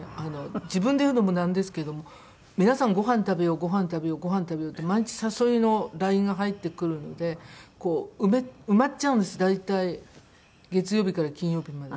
自分で言うのもなんですけども皆さん「ごはん食べよう」「ごはん食べよう」「ごはん食べよう」って毎日誘いのＬＩＮＥが入ってくるのでこう埋まっちゃうんです大体月曜日から金曜日まで。